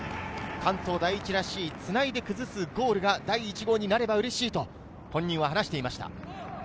関東第一らしいつないで崩すゴールが第一になればいいなと本人が話していました。